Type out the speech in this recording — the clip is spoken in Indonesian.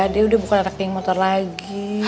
dia udah bukan anak geng motor lagi